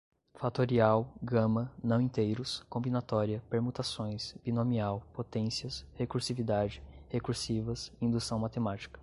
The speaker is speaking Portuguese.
fatorial, gama, não-inteiros, combinatória, permutações, binomial, potências, recursividade, recursivas, indução matemática